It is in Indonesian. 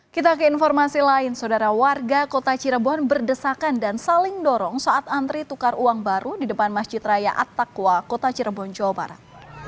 kita ke informasi lain saudara warga kota cirebon berdesakan dan saling dorong saat antri tukar uang baru di depan masjid raya attaqwa kota cirebon jawa barat